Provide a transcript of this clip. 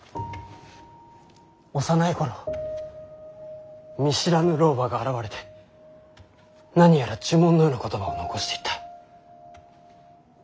幼い頃見知らぬ老婆が現れて何やら呪文のような言葉を残していった。